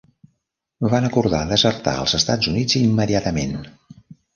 Van acordar desertar als Estats Units immediatament.